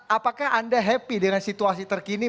apakah anda happy dengan situasi terkini